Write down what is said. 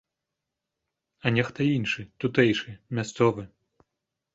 А нехта іншы, тутэйшы, мясцовы.